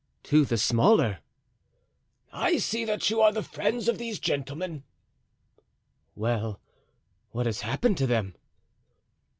"To the smaller." "I see that you are the friends of these gentlemen." "Well, what has happened to them?"